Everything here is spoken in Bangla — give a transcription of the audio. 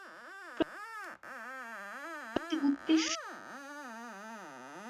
প্রত্যেক জাতিরই এ পৃথিবীতে একটি উদ্দেশ্য ও আদর্শ থাকে।